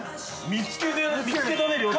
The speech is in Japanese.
◆見つけたね、亮太。